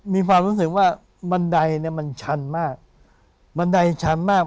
มีความรู้สึกว่าบันไดมันชันมาก